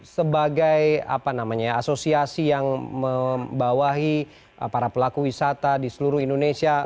sebagai asosiasi yang membawahi para pelaku wisata di seluruh indonesia